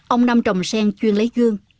ông năm trồng sen chuyên lấy gương